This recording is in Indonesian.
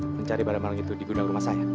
mencari barang barang itu di gudang rumah saya